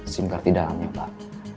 sim card di dalamnya pak